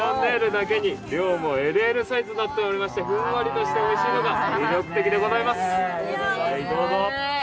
Ｌ＆Ｌだけに量もＬサイズになっておりまして、ふんわりとしておいしいのが魅力的でございます。